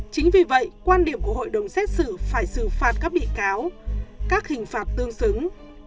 chính vì vậy quan điểm của hội đồng xét xử phải xử phạt các bị cáo các hình phạt tương xứng